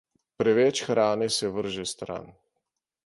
Preveč hrane se vrže stran.